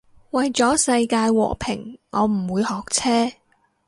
為咗世界和平我唔會學車